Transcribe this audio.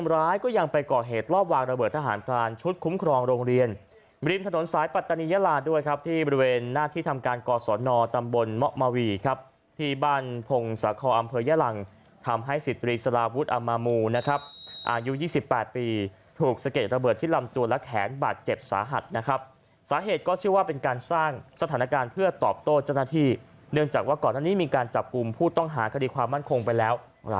ระเบิดทหารการชุดคุ้มครองโรงเรียนบริมถนนสายปัตตานียลาดด้วยครับที่บริเวณหน้าที่ทำการกอดสอนนตำบลมะมาวี่ครับที่บรรพงศาคออำเภยลังทำให้สิตรีสลาวุธอามามูนะครับอายุ๒๘ปีถูกเสก็จระเบิดที่ลำตัวและแข็งบาดเจ็บสาหัสนะครับสาเหตุก็ชื่อว่าเป็นการสร้างสถานการณ์เพื่อตอบโตจนาทีเ